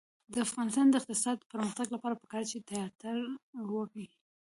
د افغانستان د اقتصادي پرمختګ لپاره پکار ده چې تیاتر وي.